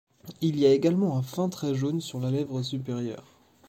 Il y a également un fin trait jaune sur la lèvre supérieure.